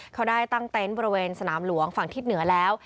เขาได้ตั้งเต็นต์บริเวณสนามหลวงฝั่งทิศเหนือแล้ว